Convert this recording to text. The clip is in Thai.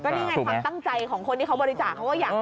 แกนี่ไงความตั้งใยของคนที่เขาบริจาค